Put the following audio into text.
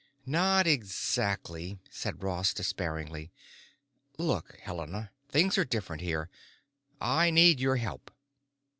"Not exactly," said Ross despairingly. "Look, Helena, things are different here. I need your help."